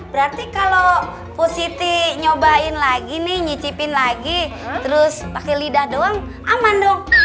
berarti kalau bu siti nyobain lagi nih nyicipin lagi terus pakai lidah doang aman dong